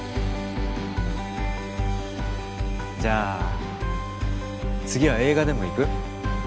じゃあ次は映画でも行く？